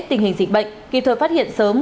tình hình dịch bệnh kịp thời phát hiện sớm